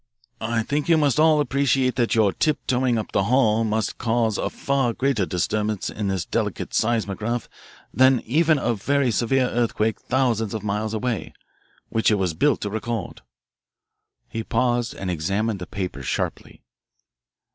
"I think you must all appreciate that your tiptoeing up the hall must cause a far greater disturbance in this delicate seismograph than even a very severe earthquake thousands of miles away, which it was built to record." He paused and examined the papers sharply.